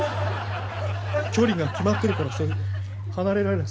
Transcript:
距離が決まってるからそれ離れられない。